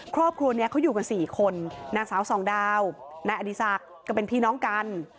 ครอบครัวนี้เขาอยู่กัน๔คนนางสาวสองดาวนายอดีศักดิ์ก็เป็นพี่น้องกัน